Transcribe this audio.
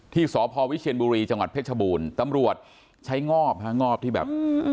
ที่สพวิเชียนบุรีจังหวัดเพชรบูรณ์ตำรวจใช้งอบฮะงอบที่แบบ